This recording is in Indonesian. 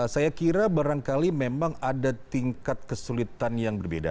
saya kira barangkali memang ada tingkat kesulitan yang berbeda